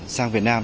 sang việt nam